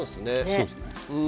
そうですね。